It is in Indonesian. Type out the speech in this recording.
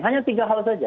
hanya tiga hal saja